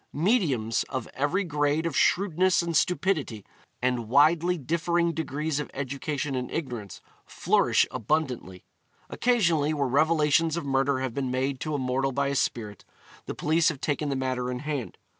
'Mediums' of every grade of shrewdness and stupidity, and widely differing degrees of education and ignorance, flourish abundantly. Occasionally, where revelations of murder have been made to a mortal by a spirit, the police have taken the matter in hand.